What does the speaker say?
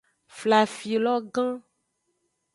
Flafilo gan.